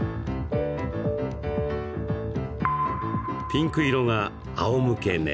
ピンク色があおむけ寝